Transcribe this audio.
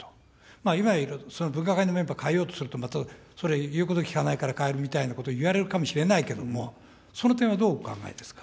今いる分科会のメンバーを代えようとすると、またそれは言うこと聞かないから代えるみたいなことを言われるかもしれないけれども、その点はどうお考えですか。